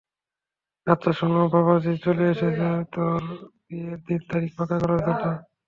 আচ্ছা শোন বাবাজি চলে এসেছে তোর বিয়ের দিন তারিখ পাকা করার জন্য।